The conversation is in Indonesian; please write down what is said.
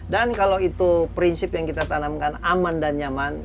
dan kalau itu prinsip yang kita tanamkan aman dan nyaman